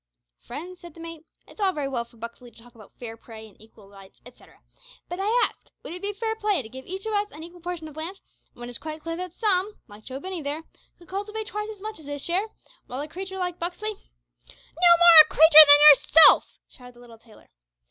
"Friends," said the mate, "it's all very well for Buxley to talk about fair play, and equal rights, etcetera, but, I ask, would it be fair play to give each of us an equal portion of land, when it's quite clear that some like Joe Binney there could cultivate twice as much as his share, while a creature like Buxley " "No more a creature than yourself!" shouted the little tailor.